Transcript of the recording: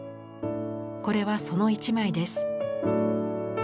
これはその一枚です。